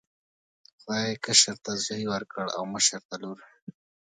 خدای کشر ته زوی ورکړ او مشر ته لور.